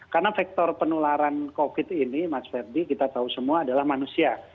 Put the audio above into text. karena faktor penularan covid ini mas herdi kita tahu semua adalah manusia